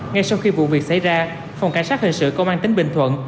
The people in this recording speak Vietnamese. ngay sau khi vụ việc xảy ra phòng cảnh sát hình sự công an tỉnh bình thuận